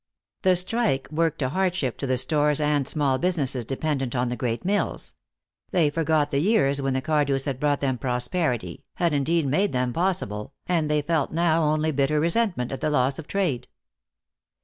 The strike worked a hardship to the stores and small businesses dependent on the great mills; they forgot the years when the Cardews had brought them prosperity, had indeed made them possible, and they felt now only bitter resentment at the loss of trade.